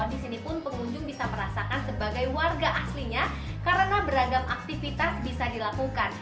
di sini pun pengunjung bisa merasakan sebagai warga aslinya karena beragam aktivitas bisa dilakukan